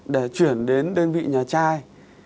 để chuyển đến đơn vị nhà trai